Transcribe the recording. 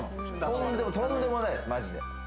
とんでもないです、マジで。